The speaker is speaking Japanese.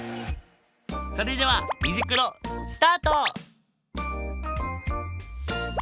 それでは「虹クロ」スタート！